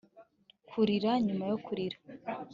kurira nyuma yo kurira